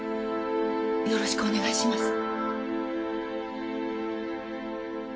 よろしくお願いします。